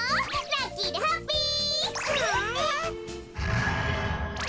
ラッキーでハッピー！